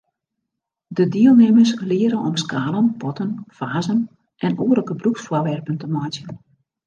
De dielnimmers leare om skalen, potten, fazen en oare gebrûksfoarwerpen te meitsjen.